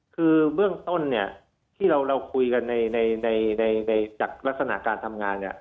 คือเบื้องต้นเนี่ยที่เราคุยกันในจากลักษณะการทำงานเนี่ย